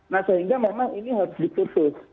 nah sehingga memang ini harus diputus